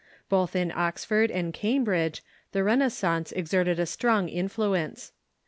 Both in Oxford and Cambridge the Renaissance exerted a strong influence.